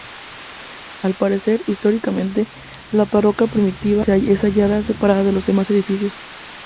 Al parecer, históricamente, la parroquia primitiva se hallaba muy separada de los demás edificios.